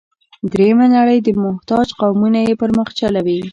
درېیمه نړۍ محتاج قومونه یې پر مخ چلوي.